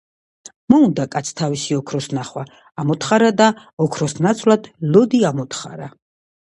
მოუნდა კაცს თავისი ოქროს ნახვა ამოთხარა და ოქროს ნაცვლად ლოდი ამოთხარა.